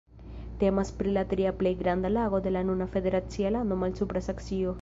Temas pri la tria plej granda lago de la nuna federacia lando Malsupra Saksio.